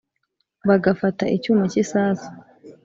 bagafata icyuma cy’isasu